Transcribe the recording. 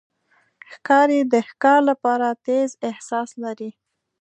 ښکاري د ښکار لپاره تیز احساس لري.